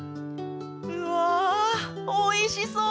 うわあおいしそう！